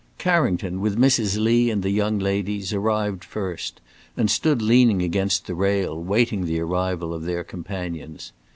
Carrington, with Mrs. Lee and the young ladies, arrived first, and stood leaning against the rail, waiting the arrival of their companions.